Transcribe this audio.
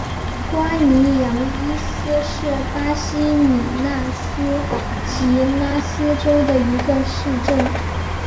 瓜尼扬伊斯是巴西米纳斯吉拉斯州的一个市镇。